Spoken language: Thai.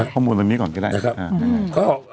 ข้อมูลตรงนี้ก่อนก็ได้